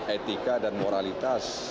etika dan moralitas